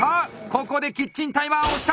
ここでキッチンタイマーを押した！